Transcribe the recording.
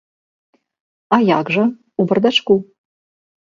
А як жа, у бардачку.